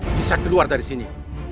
bisa keluar dari sini